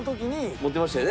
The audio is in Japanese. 持ってましたよね。